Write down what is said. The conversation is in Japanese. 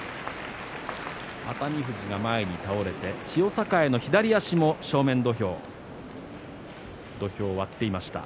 熱海富士が前に倒れて千代栄の左足の正面土俵土俵を割っていました。